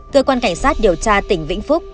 cơ quan cảnh sát điều tra tỉnh vĩnh phúc